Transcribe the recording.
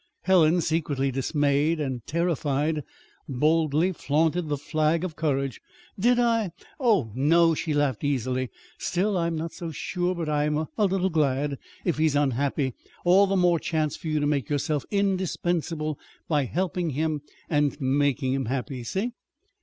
Helen, secretly dismayed and terrified, boldly flaunted the flag of courage. "Did I? Oh, no," she laughed easily. "Still, I'm not so sure but I am a little glad: if he's unhappy, all the more chance for you to make yourself indispensable by helping him and making him happy. See?"